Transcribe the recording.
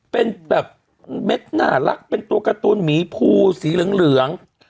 เป็นตัวการ์ตูนหมีภูสีเหลืองเหลือง